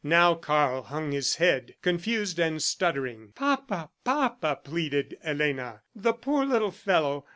Now Karl hung his head, confused and stuttering. "Papa, papa," pleaded Elena. "The poor little fellow!